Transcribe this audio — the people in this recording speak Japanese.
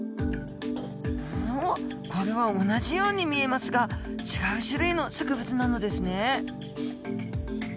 おっこれは同じように見えますが違う種類の植物なのですね？